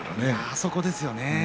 そこですよね。